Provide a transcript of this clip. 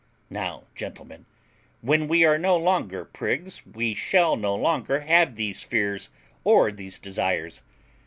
Now, gentlemen, when we are no longer prigs, we shall no longer have these fears or these desires.